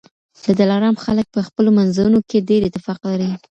د دلارام خلک په خپلو منځونو کي ډېر اتفاق لري.